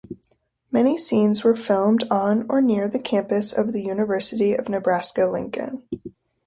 Many scenes were filmed on or near the campus of the University of Nebraska-Lincoln.